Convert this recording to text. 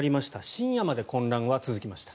深夜まで混乱は続きました。